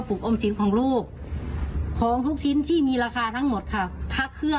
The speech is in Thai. ช่วงเศรษฐกิจดีอย่างนี้